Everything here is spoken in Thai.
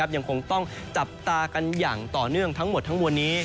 ยังคงต้องจับตากันอย่างต่อเนื่องทั้งหมดทั้งมวลนี้